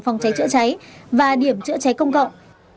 phòng cháy chữa cháy và điểm chữa cháy công cộng